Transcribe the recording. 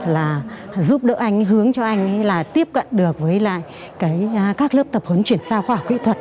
là giúp đỡ anh hướng cho anh là tiếp cận được với các lớp tập huấn chuyển sao khoa học kỹ thuật